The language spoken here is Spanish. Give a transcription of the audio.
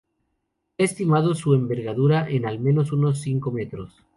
Se ha estimado su envergadura en al menos unos cinco metros.